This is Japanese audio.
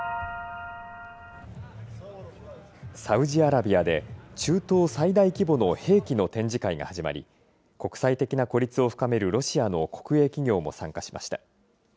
サウジアラビアで、中東最大規模の兵器の展示会が始まり、国際的な孤立を深めるロシアの国営企業も参加しました。